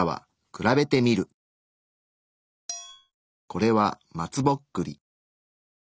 これは松ぼっくり。